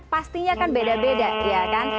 pastinya kan beda beda ya kan